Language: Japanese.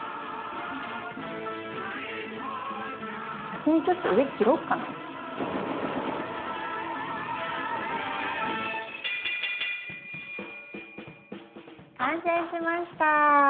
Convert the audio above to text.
逆にちょっと上切ろっかな？完成しました！